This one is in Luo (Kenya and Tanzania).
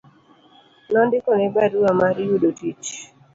Nondikone barua mar yudo tich